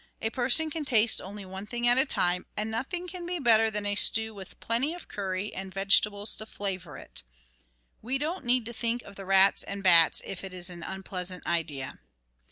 A person can taste only one thing at a time, and nothing can be better than a stew with plenty of curry and vegetables to flavour it. We don't need to think of the rats and bats if it is an unpleasant idea.